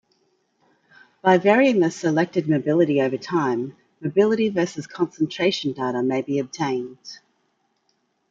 By varying the selected mobility over time, mobility versus concentration data may be obtained.